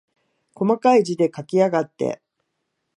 こまかい字で書きやがって。